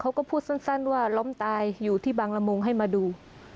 เขาก็พูดสั้นว่าล้มตายอยู่ที่บางละมุงให้มาดู